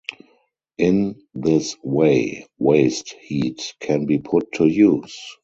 In this way, waste heat can be put to use.